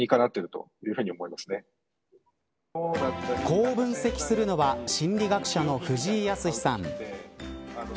こう分析するのは心理学者の藤井靖さん。